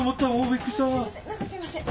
すいません。